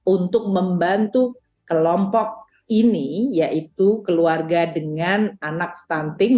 untuk membantu kelompok ini yaitu keluarga dengan anak stunting